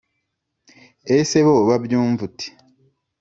esebo babyumva ute